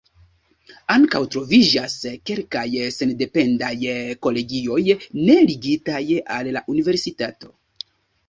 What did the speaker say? Ankaŭ troviĝas kelkaj sendependaj kolegioj ne ligitaj al la universitato.